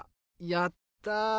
やった！